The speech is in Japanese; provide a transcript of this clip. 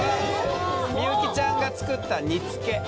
幸ちゃんが作った煮つけ。